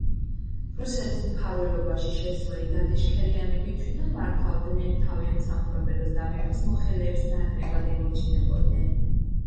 რუსეთის მფარველობაში შესული დადიშქელიანები თვითონ მართავდნენ თავიანთ სამფლობელოს და მეფის მოხელეებს ნაკლებად ემორჩილებოდნენ.